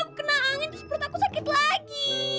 nanti aku kena angin terus perut aku sakit lagi